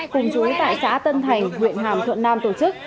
cùng chú tại xã tân thành huyện hàm thuận nam tổ chức